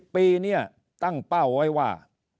ปีนี้ตั้งเป้าไว้ว่า